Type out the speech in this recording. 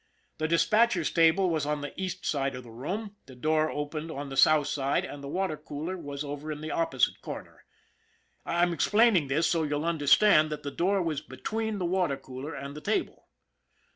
The dispatcher's table was on the east side of the room, the door opened on the south side, and the water cooler was over in the opposite corner. I'm explain ing this so that you'll understand that the door was between the wat^r cooler and the table.